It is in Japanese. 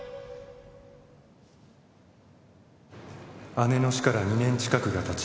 「姉の死から２年近くが経ち